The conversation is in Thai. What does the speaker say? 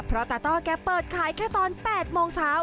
เพราะตาต้อแกเปิดขายแค่ตอน๘โมงเช้า